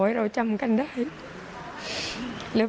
คุณพ่อครับสารงานต่อของคุณพ่อครับ